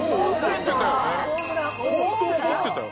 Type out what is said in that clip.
本当思ってたよ。